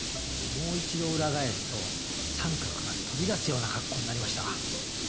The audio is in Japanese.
もう一度裏返すと三角が飛び出すような格好になりました。